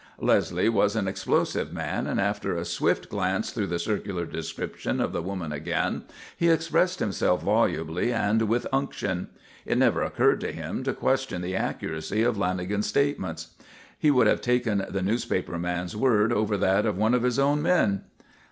Leslie was an explosive man, and after a swift glance through the circular description of the woman again, he expressed himself volubly and with unction. It never occurred to him to question the accuracy of Lanagan's statements. He would have taken the newspaper man's word over that of one of his own men.